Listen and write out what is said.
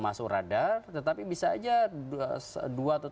masuk radar tetapi bisa aja dua atau